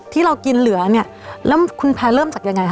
ที่เรากินเหลือเนี่ยแล้วคุณแพรเริ่มจากยังไงคะ